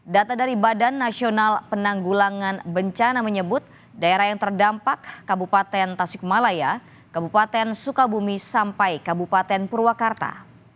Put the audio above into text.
data dari badan nasional penanggulangan bencana menyebut daerah yang terdampak kabupaten tasikmalaya kabupaten sukabumi sampai kabupaten purwakarta